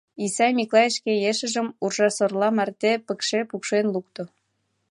Исай Миклай шке ешыжым уржа-сорла марте пыкше пукшен лукто.